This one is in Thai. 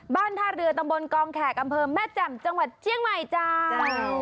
ท่าเรือตำบลกองแขกอำเภอแม่แจ่มจังหวัดเจียงใหม่เจ้า